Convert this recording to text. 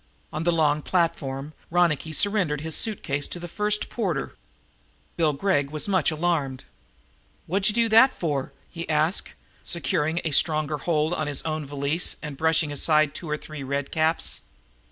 On the long platform Ronicky surrendered his suit case to the first porter. Bill Gregg was much alarmed. "What'd you do that for?" he asked, securing a stronger hold on his own valise and brushing aside two or three red caps.